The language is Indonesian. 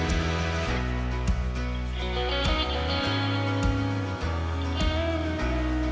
yang jelas minggu ini